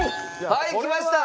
はいきました。